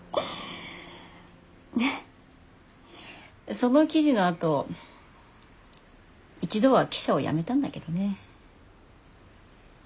その記事のあと一度は記者をやめたんだけどね。